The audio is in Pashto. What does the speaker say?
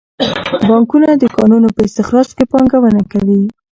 بانکونه د کانونو په استخراج کې پانګونه کوي.